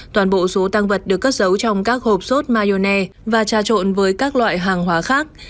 toàn bộ số tăng vật được cất giấu trong các hộp sốt maona và trà trộn với các loại hàng hóa khác